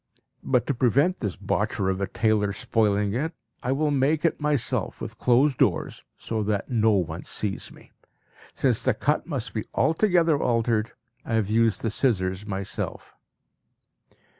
But to prevent this botcher of a tailor spoiling it, I will make it myself with closed doors, so that no one sees me. Since the cut must be altogether altered, I have used the scissors myself.